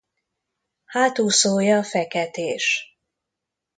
Hátúszója feketés.